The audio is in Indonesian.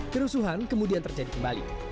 kerusuhan kemudian terjadi kembali